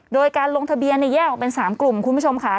โดยการลงทะเบียนแยกออกเป็น๓กลุ่มคุณผู้ชมค่ะ